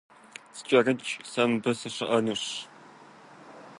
СкӀэрыкӀ, сэ мыбы сыщыӀэнущ!